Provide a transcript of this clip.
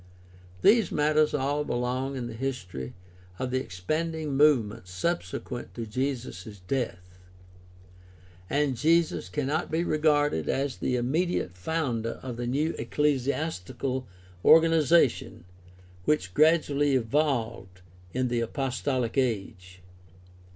These matters all belong in the history of the expand ing movement subsequent to Jesus' death, and Jesus cannot be regarded as the immediate founder of the new ecclesiastical organization which gradually evolved in the Apostolic Age.